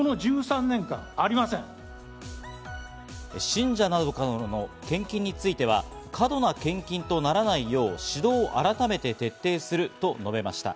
信者などからの献金については、過度の献金とならないよう指導を改めて徹底すると述べました。